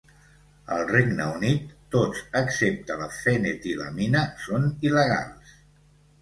Al Regne Unit, tots, excepte la fenetilamina, són il·legals.